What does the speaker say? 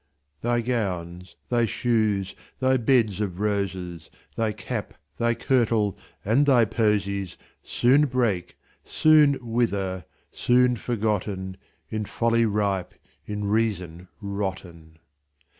Thy gowns, thy shoes, thy beds of roses, Thy cap, thy kirtle, and thy posies, Soon break, soon wither—soon forgotten, In folly ripe, in reason rotten.